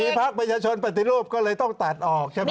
มีภาคประชาชนปฏิรูปก็เลยต้องตัดออกใช่ไหม